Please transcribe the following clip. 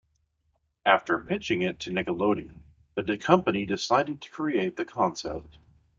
After pitching it to Nickelodeon, the company decided to create the concept.